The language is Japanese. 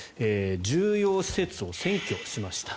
重要施設を占拠しました。